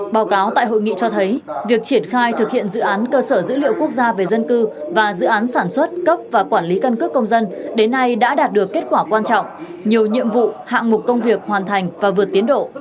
báo cáo tại hội nghị cho thấy việc triển khai thực hiện dự án cơ sở dữ liệu quốc gia về dân cư và dự án sản xuất cấp và quản lý căn cước công dân đến nay đã đạt được kết quả quan trọng nhiều nhiệm vụ hạng mục công việc hoàn thành và vượt tiến độ